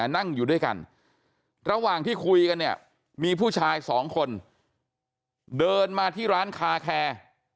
นั่งอยู่ด้วยกันระหว่างที่คุยกันเนี่ยมีผู้ชายสองคนเดินมาที่ร้านคาแคร์